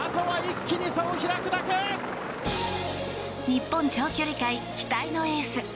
日本長距離界期待のエース